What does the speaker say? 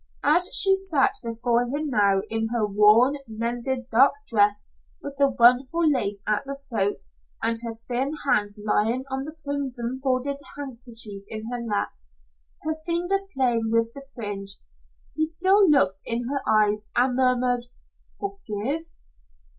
As she sat before him now, in her worn, mended, dark dress with the wonderful lace at the throat, and her thin hands lying on the crimson bordered kerchief in her lap, her fingers playing with the fringe, he still looked in her eyes and murmured, "Forgive?"